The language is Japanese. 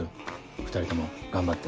２人とも頑張って。